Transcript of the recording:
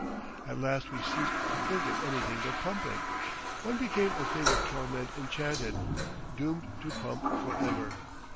At last we ceased to think of anything but pumping; one became a thing of torment enchanted, doomed to pump for ever.